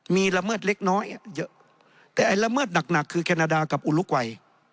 มีละเมิดเล็กน้อยเยอะแต่ไอ้ละเมิดหนักคือแคนาดากับอุลุกวัย